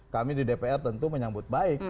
kami di dpr tentu menyambut baik